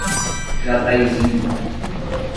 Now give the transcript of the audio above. Jataizinho